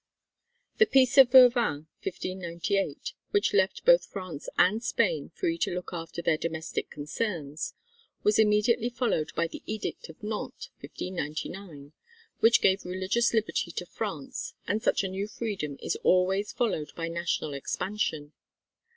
The Peace of Vervins (1598) which left both France and Spain free to look after their domestic concerns, was immediately followed by the Edict of Nantes (1599) which gave religious liberty to France, and such a new freedom is always followed by national expansion.